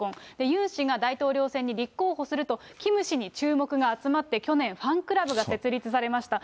ユン氏が大統領選に立候補すると、キム氏に注目が集まって、去年、ファンクラブが設立されました。